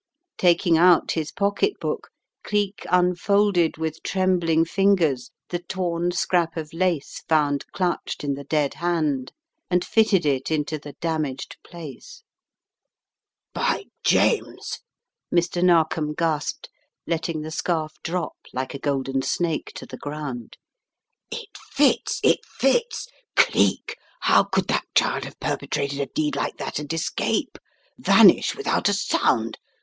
Taking out his pocketbook, Cleek unfolded with trembling fingers the torn scrap of lace found clutched in the dead hand and fitted it into the damaged place. .200 The Riddle of the Purple Emperor "By James!" Mr. Narkom gasped, letting the scarf drop like a golden snake to the ground. "It fits; it fits. Cleek! how could that child have per petrated a deed like that and escape, vanish without a sound?